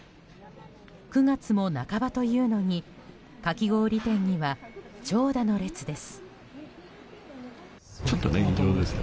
９月も半ばというのにかき氷店には長蛇の列です。